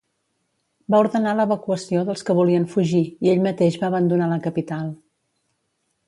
Va ordenar l'evacuació dels que volien fugir i ell mateix va abandonar la capital.